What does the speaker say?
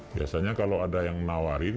biasanya kalau ada yang nawarin